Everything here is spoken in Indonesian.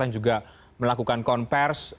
yang juga melakukan konvers